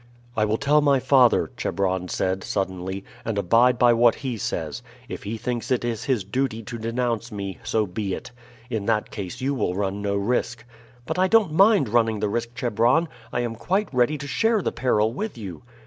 "I will tell my father," Chebron said suddenly, "and abide by what he says. If he thinks it his duty to denounce me, so be it; in that case you will run no risk." "But I don't mind running the risk, Chebron; I am quite ready to share the peril with you."